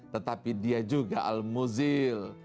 tetapi dia juga al muzil